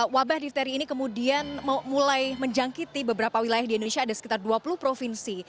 wabah difteri ini kemudian mulai menjangkiti beberapa wilayah di indonesia ada sekitar dua puluh provinsi